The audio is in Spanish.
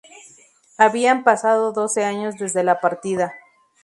Habían pasado doce años desde la partida.